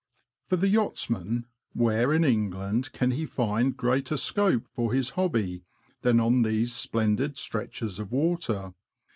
For the yachtsman — Where in England can he find greater scope for his hobby than on these splendid stretches of water?